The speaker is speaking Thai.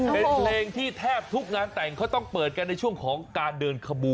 เป็นเพลงที่แทบทุกงานแต่งเขาต้องเปิดกันในช่วงของการเดินขบวน